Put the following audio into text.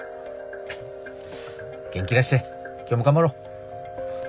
元気出して今日も頑張ろう。